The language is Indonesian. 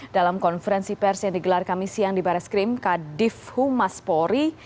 dalam konferensi pers yang digelar kami siang di baris krim kadif humas polri